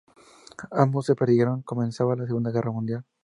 Ambos se perdieron comenzada la Segunda Guerra Mundial.